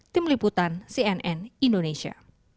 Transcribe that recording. tim liputan cnn indonesia